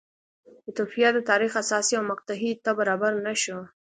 ایتوپیا د تاریخ حساسې مقطعې ته برابر نه شو.